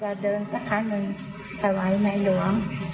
เราเดินสักครั้งหนึ่งถวายในหลวง